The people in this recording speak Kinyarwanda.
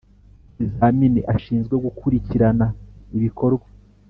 Ikizamini ashinzwe gukurikirana ibikorwa